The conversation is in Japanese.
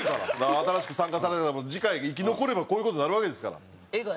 新しく参加された方も次回生き残ればこういう事になるわけですから。